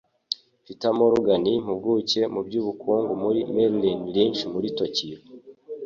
Peter Morgan, impuguke mu by'ubukungu muri Merrill Lynch muri Tokiyo,